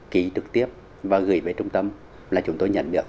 ký trực tiếp và gửi về trung tâm là chúng tôi nhận được